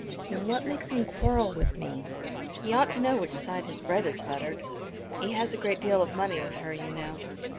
"Then what makes him quarrel with me? He ought to know which side his bread is buttered." "He had a great deal of money with her, you know."